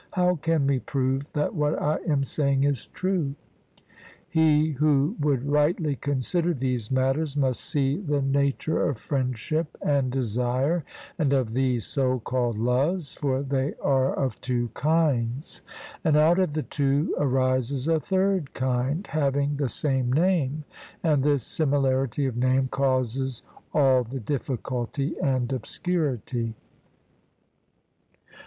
How can we prove that what I am saying is true? He who would rightly consider these matters must see the nature of friendship and desire, and of these so called loves, for they are of two kinds, and out of the two arises a third kind, having the same name; and this similarity of name causes all the difficulty and obscurity.